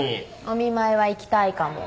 お見舞いは行きたいかも。